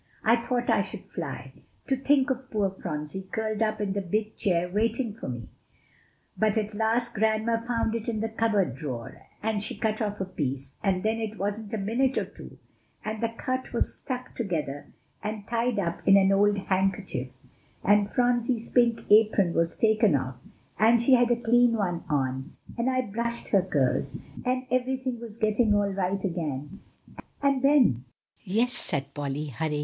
I thought I should fly, to think of poor Phronsie curled up in the big chair waiting for me; but at last Grandma found it in the cupboard drawer; and she cut off a piece, and then it wasn't but a minute or two and the cut was stuck together and tied up in an old handkerchief, and Phronsie's pink apron was taken off, and she had a clean one on, and I brushed her curls, and everything was getting all right again; and then in popped Ben!"